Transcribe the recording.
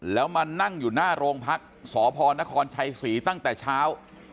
แล้วมานั่งอยู่หน้าโรงพักษพนครชัยศรีตั้งแต่เช้า